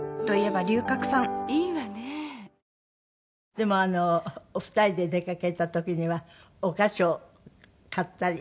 でもお二人で出かけた時にはお菓子を買ったり。